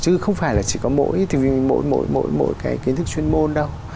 chứ không phải là chỉ có mỗi cái kiến thức chuyên môn đâu